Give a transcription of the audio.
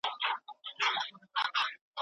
که ووینم چي ړوند د څاه پر لور روان دی